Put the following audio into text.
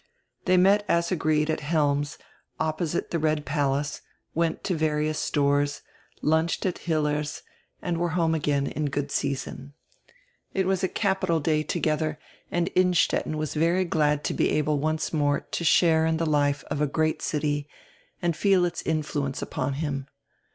They met, as agreed, at Helms's, opposite die Red Palace, went to various stores, lunched at Hiller's, and were home again in good season. It was a capital day together, and Innstetten was very glad to be able once more to share in die life of a great city and feel its influence upon him.